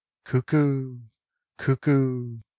Cuckoo ! Cuckoo